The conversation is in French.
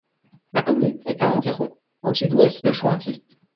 La commune est à environ au sud-ouest de Joinville.